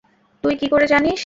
তুই কি করে জানিস?